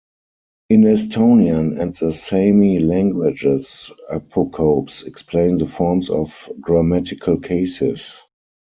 In Estonian and the Sami languages, apocopes explain the forms of grammatical cases.